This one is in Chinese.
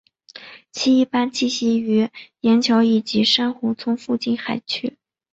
其一般栖息于岩礁以及珊瑚丛附近海区。